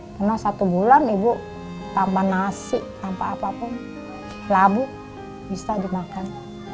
karena satu bulan ibu tanpa nasi tanpa apapun labu bisa dimakan